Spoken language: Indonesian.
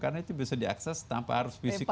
karena itu bisa diakses tanpa harus fisik di datang kan